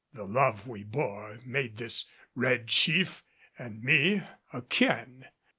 The love we bore made this red chief and me akin.